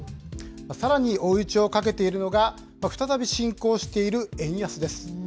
さらに追い打ちをかけているのが、再び進行している円安です。